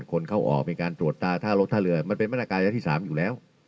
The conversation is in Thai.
คนเข้าออกมีการตรวจตาท่ารถท่าเรือมันเป็นมาตรการระยะที่๓อยู่แล้ว